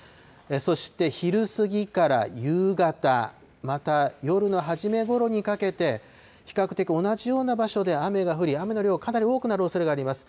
そして昼過ぎから夕方、また夜のはじめごろにかけて、比較的同じような場所で雨が降り、雨の量、かなり多くなるおそれがあります。